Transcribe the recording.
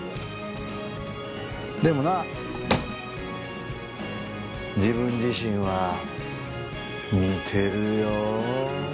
でもな自分自身は見てるよ。